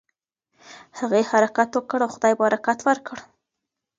هغې حرکت وکړ او خدای برکت ورکړ.